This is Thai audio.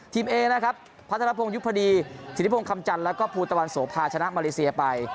เอนะครับพัฒนภงยุพดีธิริพงศ์คำจันทร์แล้วก็ภูตะวันโสภาชนะมาเลเซียไป